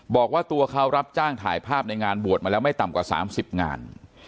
บอกว่าตัวเขารับจ้างถ่ายภาพในงานบวชมาแล้วไม่ต่ำกว่า๓๐งาน